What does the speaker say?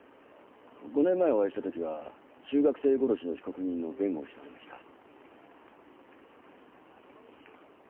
５年前お会いした時は中学生殺しの被告人の弁護をしておりました。